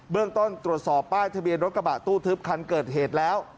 เรื่องต้นตรวจสอบป้ายทะเบียนรถกระบะตู้ทึบคันเกิดเหตุแล้ว